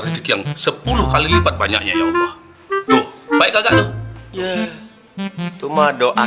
rezeki yang sepuluh kali lipat banyaknya ya allah tuh baik agak tuh ya cuma